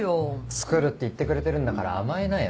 作るって言ってくれてるんだから甘えなよ。